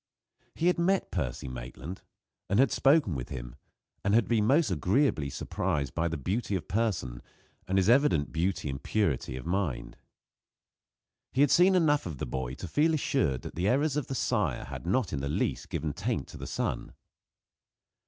He had met Percy Maitland, and had spoken with him, and had been most agreeably surprised by the beauty of person, and his evident beauty and purity of mind. He had seen enough of the boy to feel assured that the errors of the sire had not in the least given taint to the son.